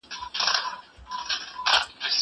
هغه وويل چي درسونه ضروري دي!